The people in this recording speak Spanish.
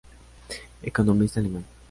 Economista alemán.